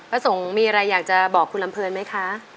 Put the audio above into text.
ประสงค์มีอะไรอยากจะบอกคุณลำเพลินไหมคะ